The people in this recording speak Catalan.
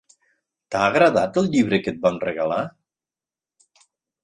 T'ha agradat el llibre que et vam regalar?